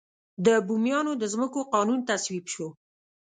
د بوميانو د ځمکو قانون تصویب شو.